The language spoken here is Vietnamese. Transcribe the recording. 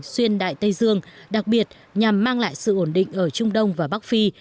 xuyên đại tây dương đặc biệt nhằm mang lại sự ổn định ở trung đông và bắc phi